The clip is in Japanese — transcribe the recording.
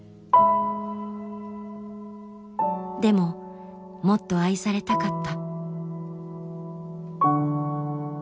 でももっと愛されたかった。